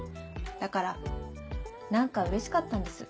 だから何かうれしかったんです。